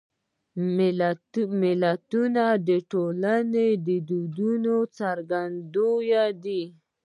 متلونه د ټولنې د دودونو څرګندوی دي